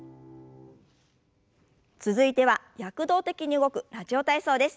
続いては躍動的に動く「ラジオ体操」です。